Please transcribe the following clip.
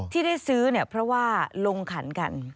ที่ได้ซื้อเนี่ยเพราะว่าลงขันกัน